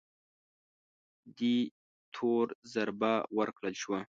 دې تور ضربه ورکړل شوه